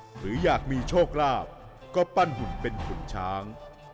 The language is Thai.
หรืออยากมีโชคลาภก็ปั้นหุ่นเป็นขุนช้าง